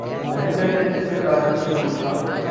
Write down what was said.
manager نے تیسرے ملازم سے پوچھا